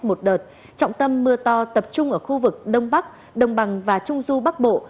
một đợt trọng tâm mưa to tập trung ở khu vực đông bắc đồng bằng và trung du bắc bộ